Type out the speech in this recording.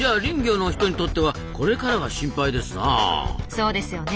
そうですよね。